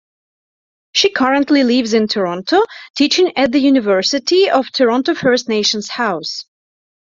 She currently lives in Toronto, teaching at the University of Toronto First Nations House.